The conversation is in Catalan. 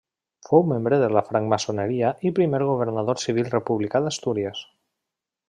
Fou membre de la francmaçoneria i primer governador civil republicà d'Astúries.